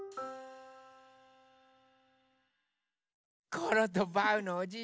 コロとバウのおじい